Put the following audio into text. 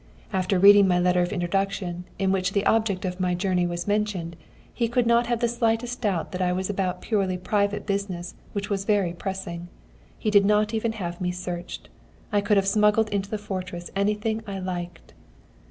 After reading my letter of introduction, in which the object of my journey was mentioned, he could not have the slightest doubt that I was about purely private business which was very pressing. He did not even have me searched. I could have smuggled into the fortress anything I liked.